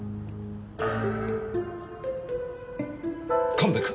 神戸君！